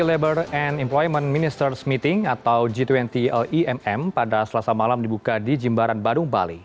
labor and employment ministers meeting atau g dua puluh lemm pada selasa malam dibuka di jimbaran badung bali